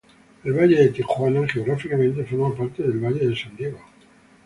El valle de Tijuana geográficamente forma parte del valle de San Diego.